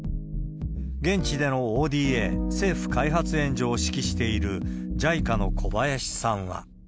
現地でのＯＤＡ・政府開発援助を指揮しているＪＩＣＡの小林さんは。